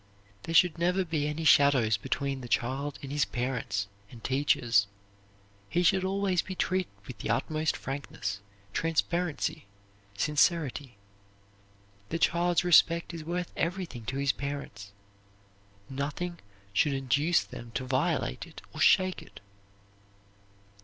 There should never be any shadows between the child and his parents and teachers. He should always be treated with the utmost frankness, transparency, sincerity. The child's respect is worth everything to his parents. Nothing should induce them to violate it or to shake it.